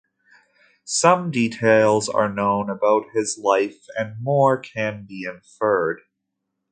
Some details are known about his life, and more can be inferred.